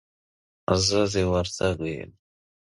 زه د وردګو يم.